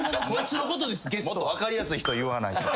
もっと分かりやすい人言わないと。